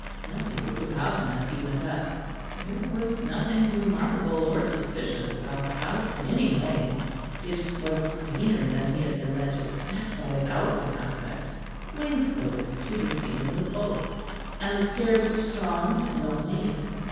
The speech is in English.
Anthony looked about him as he went up: there was nothing remarkable or suspicious about the house in any way. It was cleaner than he had been led to expect by its outside aspect; wainscoted to the ceiling with oak; and the stairs were strong and well made.